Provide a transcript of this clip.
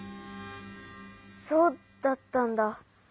そうだったんだ。